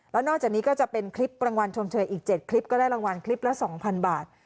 แล้วนอกจากนี้ก็จะเป็นคลิปรางวัลชมเชยอีก๗คลิปก็ได้รางวัลคลิปละ๒๐๐บาท